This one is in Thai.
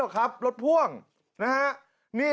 แล้วมันเข้าฝั่งคนขาดมันเป็นจังหวะเต็มเลยนะ